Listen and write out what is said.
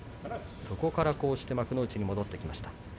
そこから、こうして幕内に戻ってきました。